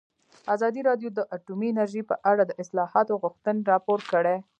ازادي راډیو د اټومي انرژي په اړه د اصلاحاتو غوښتنې راپور کړې.